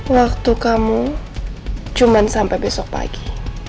waktu kamu cuma sampai besok pagi